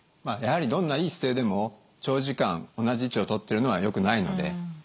やはりどんな良い姿勢でも長時間同じ位置をとってるのはよくないので。